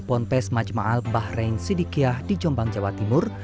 ponpes majma'al bahrein sidikiah di jombang jawa timur